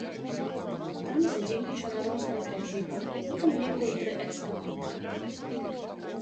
Там задзейнічаная розная тэхніка, у тым ліку і тры экскаватара.